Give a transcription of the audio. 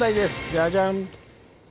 ジャジャン。